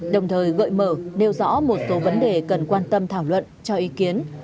đồng thời gợi mở nêu rõ một số vấn đề cần quan tâm thảo luận cho ý kiến